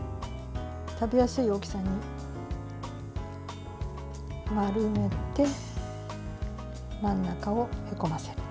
食べやすい大きさに丸めて真ん中をへこませる。